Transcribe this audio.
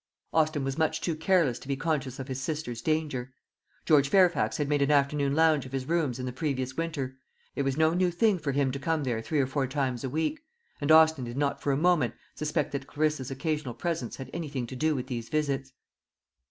Austin was much too careless to be conscious of his sister's danger. George Fairfax had made an afternoon lounge of his rooms in the previous winter; it was no new thing for him to come there three or four times a week; and Austin did not for a moment suspect that Clarissa's occasional presence had anything to do with these visits.